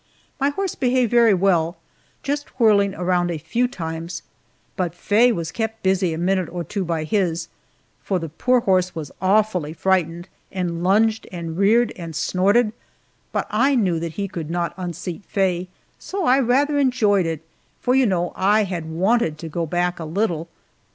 My horse behaved very well just whirling around a few times but Faye was kept busy a minute or two by his, for the poor horse was awfully frightened, and lunged and reared and snorted; but I knew that he could not unseat Faye, so I rather enjoyed it, for you know I had wanted to go back a little!